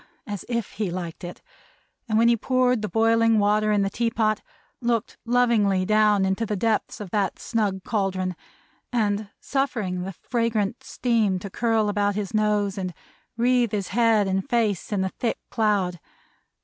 as if he liked it; and when he poured the boiling water in the tea pot, looked lovingly down into the depths of that snug caldron, and suffering the fragrant steam to curl about his nose, and wreathe his head and face in a thick cloud.